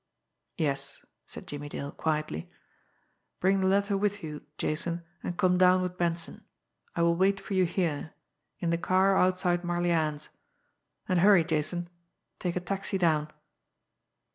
"Yes," said Jimmie Dale quietly. "Bring the letter with you, Jason, and come down with Benson. I will wait for you here in the car outside Marlianne's. And hurry, Jason take a taxi down."